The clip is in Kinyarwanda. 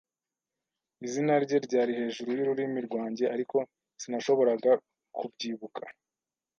Izina rye ryari hejuru yururimi rwanjye, ariko sinashoboraga kubyibuka.